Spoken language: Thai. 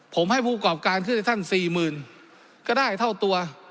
ผมให้ภูตกรรมการขึ้นในท่าน๔๐๐๐๐ก็ได้เท่าตัว